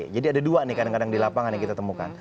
ada dua nih kadang kadang di lapangan yang kita temukan